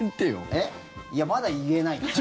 いや、まだ言えない。